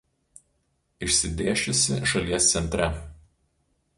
Išsidėsčiusi šalies centre.